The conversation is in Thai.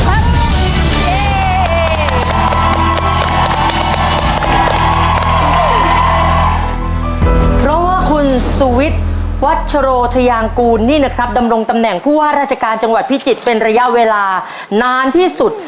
เพราะว่าคุณสุวิทย์วัชโรทยางกูลนี่นะครับดำรงตำแหน่งผู้ว่าราชการจังหวัดพิจิตรเป็นระยะเวลานานที่สุด